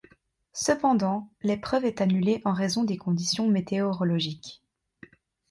Cependant l'épreuve est annulée en raison des conditions météorologiques.